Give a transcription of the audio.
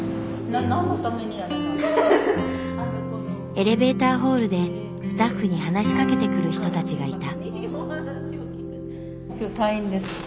エレベーターホールでスタッフに話しかけてくる人たちがいた。